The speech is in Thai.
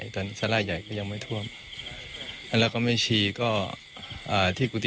ก็น่ากลัวแยงจะขอมูลในที่สูง